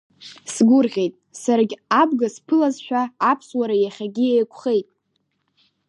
Сгәырӷьеит, саргь абга сԥылазшәа, аԥсуара иахьакгьы еиқәхеит!